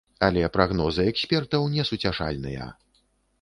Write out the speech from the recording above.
Але прагнозы экспертаў несуцяшальныя.